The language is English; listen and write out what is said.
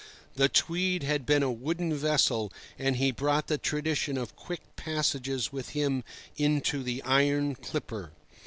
The Tweed had been a wooden vessel, and he brought the tradition of quick passages with him into the iron clipper.